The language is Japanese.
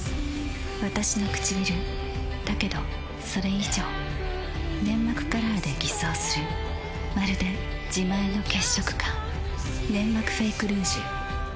わたしのくちびるだけどそれ以上粘膜カラーで偽装するまるで自前の血色感「ネンマクフェイクルージュ」